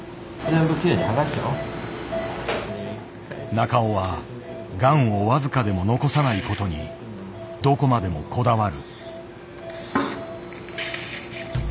中尾はがんを僅かでも残さないことにどこまでもこだわる。